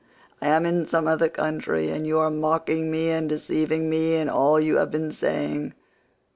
I am in some other country and you are mocking me and deceiving me in all you have been saying.